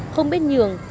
không biết nhường